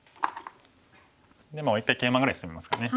でもう一回ケイマぐらいしてみますかね。